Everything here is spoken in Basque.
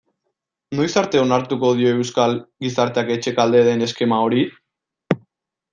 Noiz arte onartuko dio euskal gizarteak etxekalte den eskema hori?